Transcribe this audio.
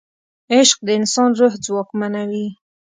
عشق د انسان روح ځواکمنوي.